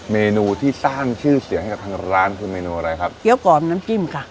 เมนูที่สร้างชื่อเสียงให้กับทางร้านคือเมนูอะไรครับเกี้ยวกรอบน้ำจิ้มค่ะ